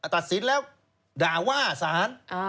ตัดสินแล้วด่าว่าสาร